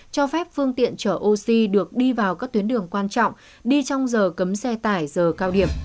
cho phép phương tiện chở oxy được đi vào các tuyến đường quan trọng đi trong giờ cấm xe tải giờ cao điểm